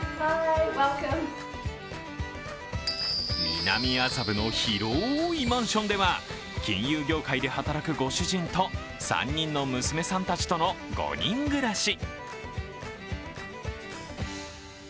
南麻布の広いマンションでは、金融業界で働くご主人と３人の娘さんたちとの５人暮らし。